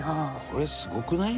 これすごくない？